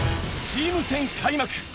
チーム戦開幕！